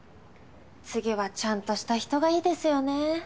次はちゃんとした人がいいですよね。